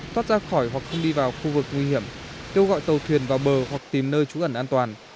thoát ra khỏi hoặc không đi vào khu vực nguy hiểm kêu gọi tàu thuyền vào bờ hoặc tìm nơi trú ẩn an toàn